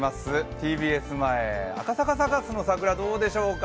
ＴＢＳ前、赤坂サカスの桜どうでしょうか？